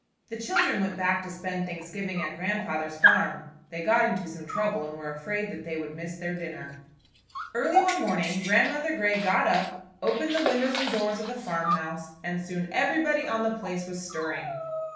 The children went back to spend Thanksgiving at grandfather's farm. They got into some trouble and were afraid that they would miss their dinner. Early one morning Grandmother Grey got up, opened the windows and doors of the farmhouse, and soon everybody on the place was stirring.